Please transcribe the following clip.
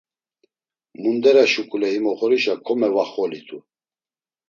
Mundera şuǩule him oxorişa komevaxolitu.